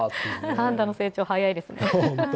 パンダの成長、早いですね。